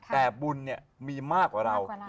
แต่บุญมีมากกว่าเรา